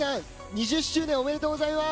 ２０周年おめでとうございます。